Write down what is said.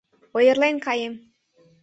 — Ойырлен каем!